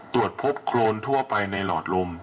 ตรวจพบโครนทั่วไปในหลอดลม